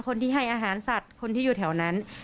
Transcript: คนที่ให้อาหารสัตว์ความเป็นการเขาอยู่ที่แถวนั้น